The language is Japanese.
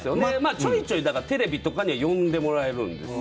ちょいちょいテレビとかには呼んでもらえるんですよ